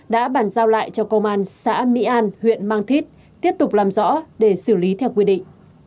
đã bàn giao lại cho công an xã mỹ an huyện mang thít tiếp tục làm rõ để xử lý theo quy định